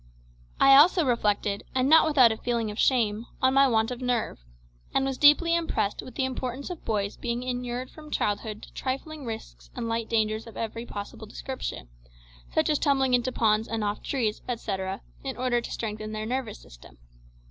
I also reflected, and not without a feeling of shame, on my want of nerve, and was deeply impressed with the importance of boys being inured from childhood to trifling risks and light dangers of every possible description, such as tumbling into ponds and off trees, etcetera, in order to strengthen their nervous system.